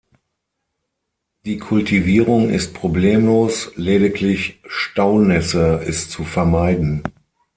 Die Kultivierung ist problemlos, lediglich Staunässe ist zu vermeiden.